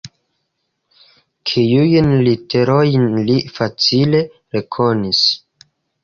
Kiujn literojn li facile rekonis?